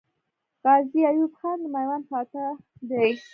غازي ایوب خان د میوند فاتح دی.